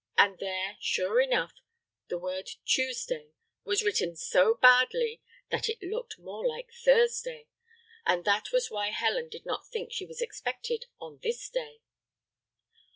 And there, sure enough, the word "Tuesday" was written so badly that it looked more like "Thursday," and that was why Helen did not think she was expected on this day.